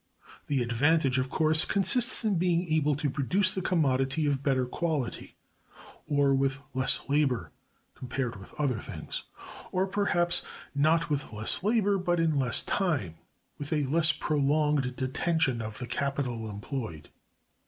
The advantage, of course, consists in being able to produce the commodity of better quality, or with less labor (compared with other things); or perhaps not with less labor, but in less time; with a less prolonged detention of the capital employed.